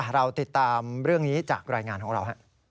เราติดตามเรื่องนี้จากรายงานของเรา